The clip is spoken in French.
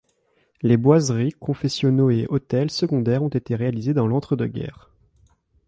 Les boiseries, confessionnaux et autels secondaires ont été réalisés dans l'entre-deux-guerres.